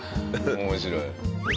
面白い。